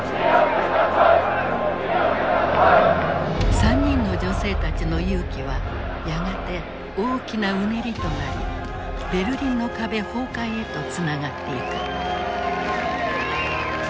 ３人の女性たちの勇気はやがて大きなうねりとなりベルリンの壁崩壊へとつながっていく。